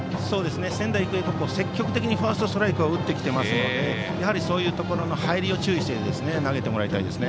仙台育英高校は積極的にファーストストライクを打ってきていますのでそういうところの入りを注意して投げてもらいたいです。